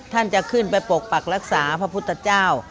ท่านจะขึ้นไปปกปักรักษาพระพุทธเจ้า